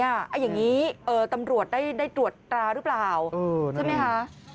อย่างนี้ตำรวจได้ตรวจตราหรือเปล่าใช่ไหมคะ